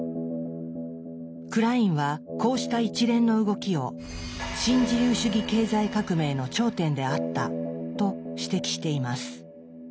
クラインはこうした一連の動きを「新自由主義経済革命の頂点であった」と指摘しています。